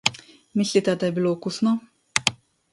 Mislite, da je bilo okusno?